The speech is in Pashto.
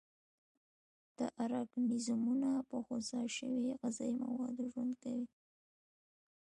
دا ارګانیزمونه په خوسا شوي غذایي موادو ژوند کوي.